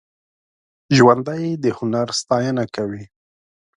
ژوندي د هنر ستاینه کوي